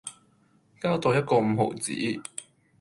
膠袋一個五毫子